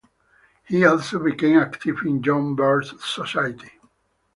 He also became active in the John Birch Society.